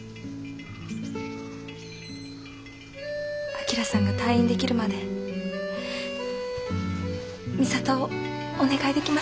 旭さんが退院できるまで美里をお願いできませんか？